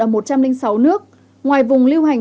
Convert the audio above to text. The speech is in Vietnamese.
ở một trăm linh sáu nước ngoài vùng lưu hành